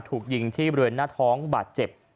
ถูกยิงที่บริเวณหน้าท้องบาดเจ็บ